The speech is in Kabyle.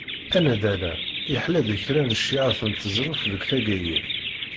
Anaddal-a, iḥella-d kraḍ n cciεat n teẓruft deg taggayin.